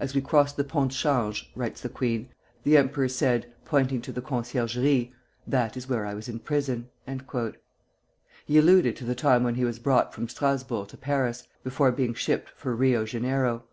"As we crossed the Pont de Change," writes the queen, "the emperor said, pointing to the Conciergerie, 'That is where I was in prison." He alluded to the time when he was brought from Strasburg to Paris, before being shipped for Rio Janeiro.